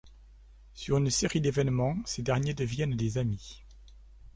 Sur une série d'événements, ces derniers deviennent des amis.